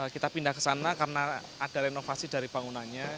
kita pindah ke sana karena ada renovasi dari bangunannya